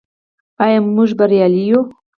آیا موږ بریالي یو؟